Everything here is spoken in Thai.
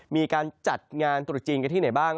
มีการจัดงานตรุษจีนกันที่ไหนบ้าง